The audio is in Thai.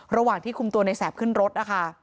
ระหว่างที่คุมตัวในแสบขึ้นรถนะคะ